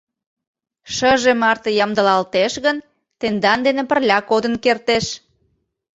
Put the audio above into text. — Шыже марте ямдылалтеш гын, тендан дене пырля кодын кертеш.